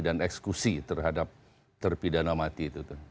dan eksekusi terhadap terpidana mati